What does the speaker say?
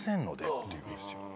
って言うんですよ。